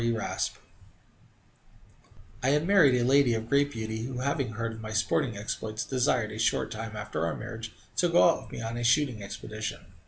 E. Raspe I had married a lady of great beauty, who, having heard of my sporting exploits, desired, a short time after our marriage, to go out with me on a shooting expedition.